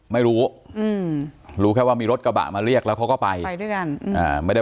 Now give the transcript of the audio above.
ไม่รู้อืมรู้รู้แค่ว่ามีรถกระบะมาเรียกแล้วเขาก็ไปไปด้วยกันไม่ได้